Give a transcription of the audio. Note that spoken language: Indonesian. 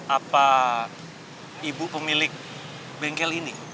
apa ibu pemilik bengkel ini